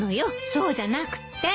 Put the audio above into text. そうじゃなくて。